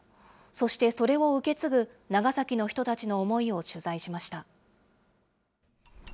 そしてそれを受け継ぐ長崎の人たちの思いを取材しました。